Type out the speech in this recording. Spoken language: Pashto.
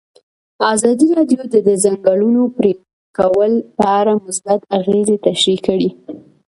ازادي راډیو د د ځنګلونو پرېکول په اړه مثبت اغېزې تشریح کړي.